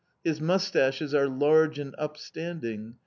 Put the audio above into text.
His moustaches are large and upstanding.